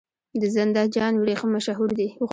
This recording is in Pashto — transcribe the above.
د زنده جان وریښم مشهور دي